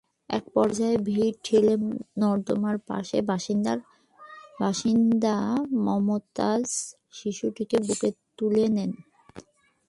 একপর্যায়ে ভিড় ঠেলে নর্দমার পাশের বাসিন্দা মমতাজ শিশুটিকে বুকে তুলে নেন।